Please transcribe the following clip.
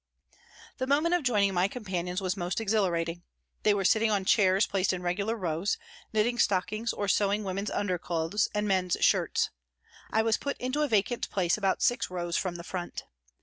The moment of joining my companions was most exhilarating. They were sitting on chairs placed in regular rows, knitting stockings or sewing women's underclothes and men's shirts. I was put into a vacant place about six rows from the front.